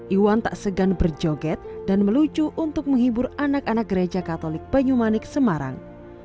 iwan tak segan berjoget dan melucu untuk menghibur anak anak gereja katolik banyumanik semarang